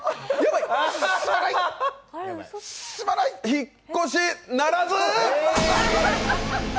引っ越し、ならず！